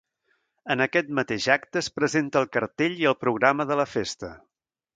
En aquest mateix acte, es presenta el cartell i el programa de la festa.